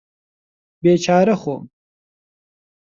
بێچارە خۆم